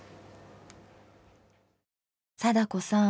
貞子さん